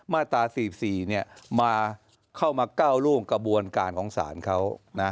มาตรา๔๔เข้ามาก้าวร่วงกระบวนการของศาลเขา